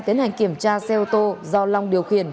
tiến hành kiểm tra xe ô tô do long điều khiển